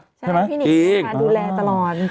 ใช่ไหมพี่หนิ่งนางดูแลตลอดจริง